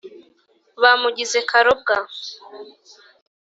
«bamugize karobwa!»